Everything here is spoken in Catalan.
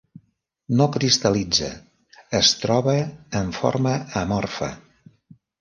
No cristal·litza, es troba en forma amorfa.